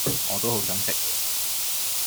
我都好想食